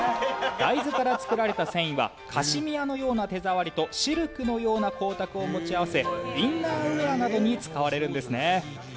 大豆から作られた繊維はカシミアのような手触りとシルクのような光沢を持ち合わせインナーウェアなどに使われるんですね。